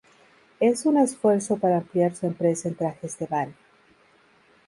En un esfuerzo para ampliar su empresa en trajes de baño.